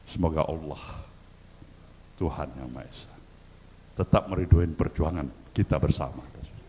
semoga allah tuhan yang maha esa tetap meriduin perjuangan kita bersama